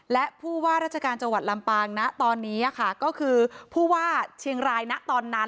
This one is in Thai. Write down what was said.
และผู้ว่าราชการจังหวัดลำปางนะตอนนี้ค่ะก็คือผู้ว่าเชียงรายณตอนนั้น